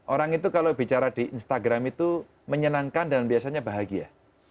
orang itu kalau bicara di instagram itu menyenangkan dan biasanya bahagia